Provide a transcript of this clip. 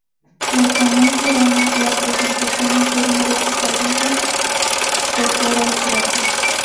El jamón corona la presentación en forma de picadillo decora el plato.